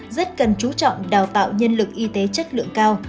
rất cần chú trọng đào tạo nhân lực y tế chất lượng cao